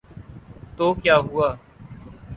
تو کیا ہوا۔